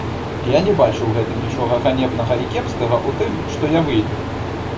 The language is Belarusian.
Я не бачу ў гэтым нічога ганебнага і кепскага, у тым, што я выйду.